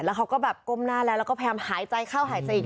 แล้วเขาก็แบบก้มหน้าแล้วแล้วก็พยายามหายใจเข้าหายใจอีก